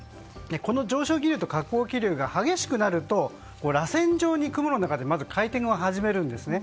この上昇気流と下降気流が激しくなるとらせん状に雲の中でまず回転を始めるんですね。